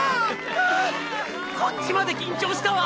はぁこっちまで緊張したわ。